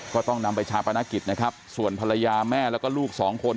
ก็ต้องนำไปชาปนกิจนะครับส่วนภรรยาแม่แล้วก็ลูกสองคน